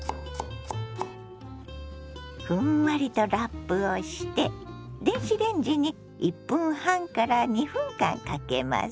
ふんわりとラップをして電子レンジに１分半から２分間かけます。